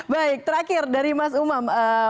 baik terakhir dari mas umam